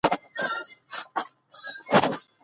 انجنیران نوي حلونه جوړوي.